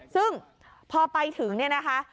ซึ่งพอไปถึงเนี่ยนะคะ